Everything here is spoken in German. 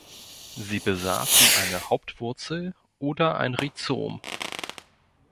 Sie besaßen eine Hauptwurzel oder ein Rhizom.